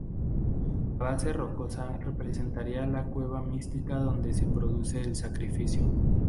La base rocosa representaría la cueva mística donde se produce el sacrificio.